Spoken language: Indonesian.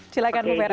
silakan bu vera